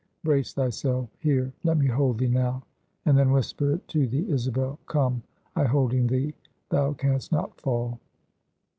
Brace thyself: here, let me hold thee now; and then whisper it to thee, Isabel. Come, I holding thee, thou canst not fall."